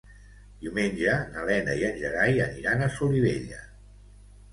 Diumenge na Lena i en Gerai aniran a Solivella.